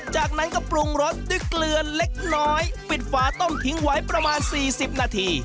จากนั้นก็ปรุงรสด้วยเกลือเล็กน้อยปิดฝาต้มทิ้งไว้ประมาณ๔๐นาที